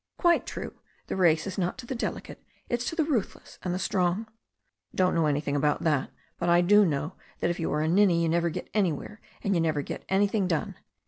"Quite true. The race is not to the delicate. It's to the ruthless and the strong." "Don't know anything about that. But I do know that if you are a ninny you never get anywhere, and you never get anything done."